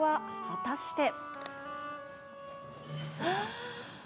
果たして。